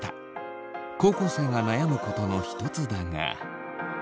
高校生が悩むことの一つだが。